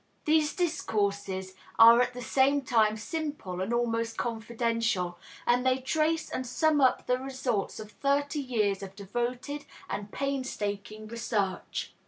These discourses are at the same time simple and almost confidential, and they trace and sum up the results of thirty years of devoted and painstaking research.